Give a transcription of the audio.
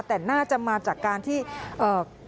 แต่น่าจะมาจากการที่คนร้ายสามคนที่ขี่มอเตอร์ไซค์เข้ามา